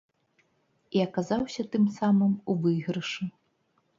І аказаўся, тым самым, у выйгрышы.